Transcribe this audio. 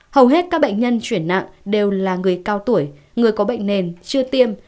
hầu hết các bệnh nhân chuyển nặng đều là người cao tuổi người có bệnh nền chưa tiêm